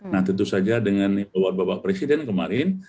nah tentu saja dengan imbauan bapak presiden kemarin